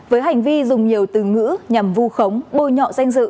với hành vi dùng nhiều từ ngữ nhằm vu khống bôi nhọ danh dự